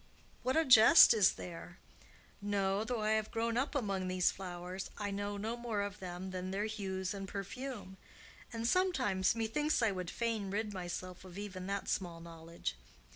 What a jest is there! No; though I have grown up among these flowers, I know no more of them than their hues and perfume; and sometimes methinks I would fain rid myself of even that small knowledge.